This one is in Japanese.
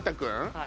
はい。